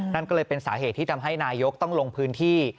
นั่นก็เลยเป็นสาเหตุที่ทำให้นายกต้องลงพื้นที่